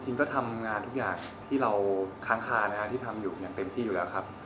จริงก็ทำงานทุกอย่างที่เราค้างคานะฮะที่ทำอยู่อย่างเต็มที่อยู่แล้วครับ